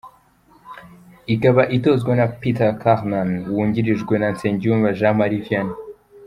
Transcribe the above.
Ikaba itozwa na Peter Karreman wungirijwe na Nsengiyumva Jean Marie Vianney.